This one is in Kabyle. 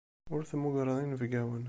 Ur temmugreḍ inebgawen.